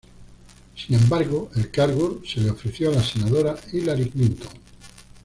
Sin embargo, el cargo se le ofreció a la senadora Hillary Clinton.